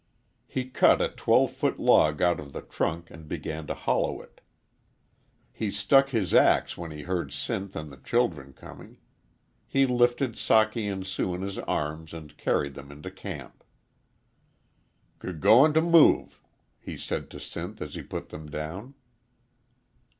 He cut a twelve foot log out of the trunk and began to hollow it. He stuck his axe when he heard Sinth and the children coming. He lifted Socky and Sue in his arms and carried them into camp. "G goin' t' m move," he said to Sinth as he put them down.